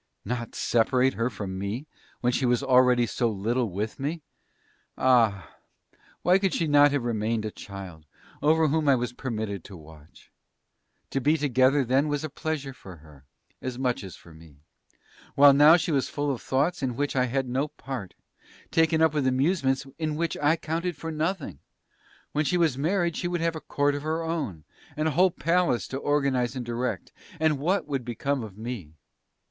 Not separate her from me when she was already so little with me! Ah! why could she not have remained a child, over whom I was permitted to watch?... To be together then was a pleasure for her, as much as for me! While now she was full of thoughts in which I had no part taken up with amusements in which I counted for nothing. When she was married she would have a Court of her own, and a whole Palace to organize and direct and what would become of me?